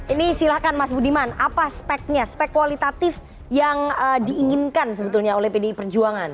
ini silahkan mas budiman apa speknya spek kualitatif yang diinginkan sebetulnya oleh pdi perjuangan